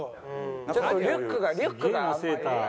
ちょっとリュックがリュックがあんまり。